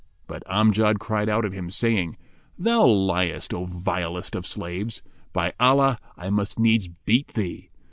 But Amjad cried out at him, saying, "Thou liest, O vilest of slaves! By Allah, I must needs beat thee."